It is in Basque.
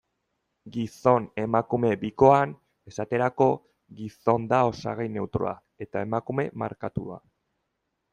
Gizon-emakume bikoan, esaterako, gizon da osagai neutroa, eta emakume markatua.